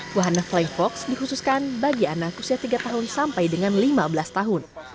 wahana flying fox dikhususkan bagi anak usia tiga tahun sampai dengan lima belas tahun